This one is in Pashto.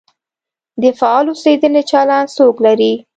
د فعال اوسېدنې چلند څوک لري؟